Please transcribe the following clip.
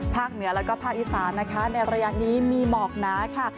เหนือแล้วก็ภาคอีสานนะคะในระยะนี้มีหมอกหนาค่ะ